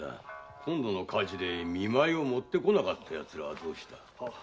今度の火事で見舞いを持って来なかったヤツらはどうした。